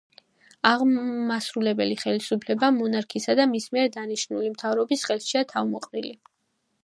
აღმასრულებელი ხელისუფლება მონარქისა და მის მიერ დანიშნული მთავრობის ხელშია თავმოყრილი.